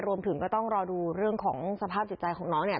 รวมถึงก็ต้องรอดูเรื่องของสภาพจิตใจของน้องเนี่ย